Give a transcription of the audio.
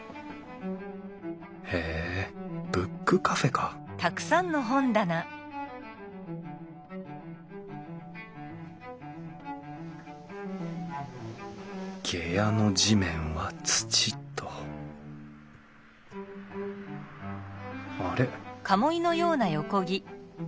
へえブックカフェか下屋の地面は土とあれ？